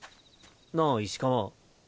なあ石川。